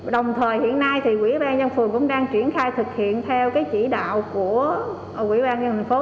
đồng thời hiện nay thì quỹ ban nhân phường cũng đang triển khai thực hiện theo cái chỉ đạo của quỹ ban nhân phố